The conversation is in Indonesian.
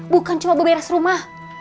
bukan cuma berhenti rumah